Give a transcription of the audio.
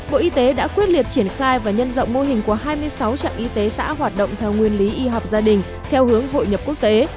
bộ y tế đã quyết liệt triển khai và nhân rộng mô hình của hai mươi sáu trạm y tế xã hoạt động theo nguyên lý y học gia đình theo hướng hội nhập quốc tế